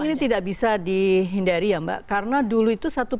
ini tidak bisa dihindari ya mbak karena dulu itu satu